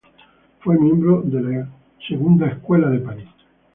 Fue miembro de la segunda Escuela de París.